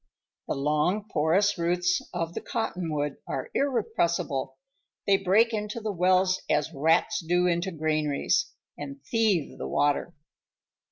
The long porous roots of the cottonwood are irrepressible. They break into the wells as rats do into granaries, and thieve the water.